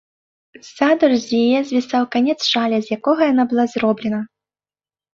Ззаду ж з яе звісаў канец шаля, з якога яна была зроблена.